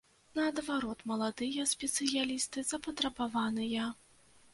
Наадварот, маладыя спецыялісты запатрабаваныя.